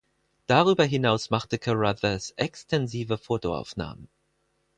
Darüber hinaus machte Carruthers extensive Fotoaufnahmen.